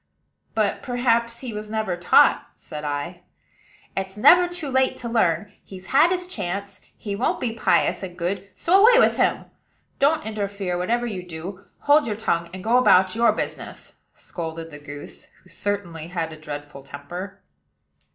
"But perhaps he was never taught," said I. "It's never too late to learn: he's had his chance; he won't be pious and good, so away with him. Don't interfere, whatever you do: hold your tongue, and go about your business," scolded the goose, who certainly had a dreadful temper.